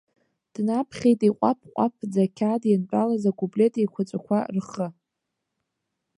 Днаԥхьеит, иҟәаԥ-ҟәаԥӡа ақьаад иантәалаз акуплет еиқәаҵәақәа рхы.